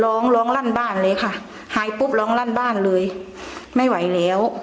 ร้องร้องลั่นบ้านเลยค่ะหายปุ๊บร้องลั่นบ้านเลยไม่ไหวแล้ว